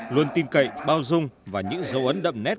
luôn tin cậy bao dung và những dấu ấn đậm nét